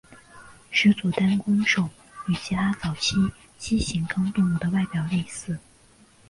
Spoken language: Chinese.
始祖单弓兽与其他早期蜥形纲动物的外表类似。